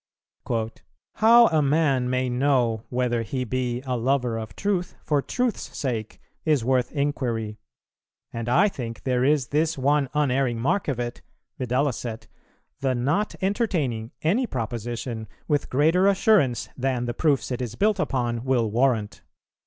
"How a man may know whether he be [a lover of truth for truth's sake] is worth inquiry; and I think there is this one unerring mark of it, viz. the not entertaining any proposition with greater assurance than the proofs it is built upon, will warrant.